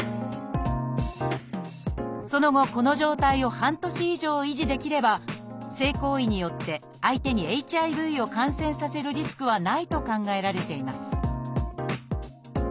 その後この状態を半年以上維持できれば性行為によって相手にＨＩＶを感染させるリスクはないと考えられています